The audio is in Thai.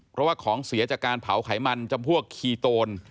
เพราะว่าของเสียจากการเผาไขมันจำพวกคีโตน